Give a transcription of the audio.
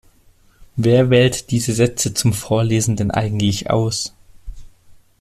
Wer wählt diese Sätze zum Vorlesen denn eigentlich aus?